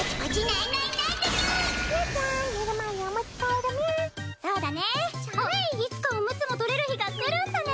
あぁいつかおむつも取れる日が来るんだね。